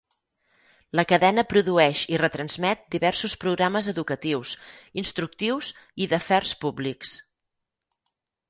La cadena produeix i retransmet diversos programes educatius, instructius i d'afers públics.